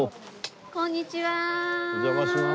こんにちはー。